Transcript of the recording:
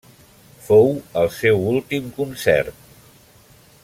Fou el seu últim concert.